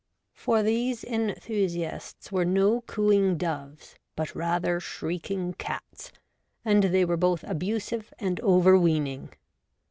For these enthusiasts were no cooing doves, but rather shrieking cats, and they were both abusive and overweening.